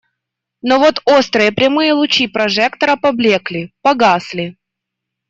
Но вот острые прямые лучи прожектора поблекли, погасли.